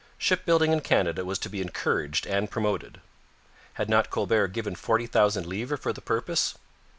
Shipbuilding in Canada was to be encouraged and promoted. Had not Colbert given forty thousand livres for the purpose?